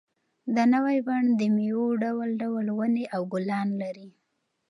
دا نوی بڼ د مېوو ډول ډول ونې او ګلان لري.